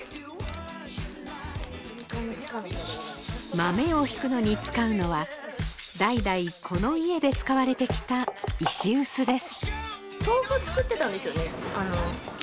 豆をひくのに使うのは代々この家で使われてきた石臼です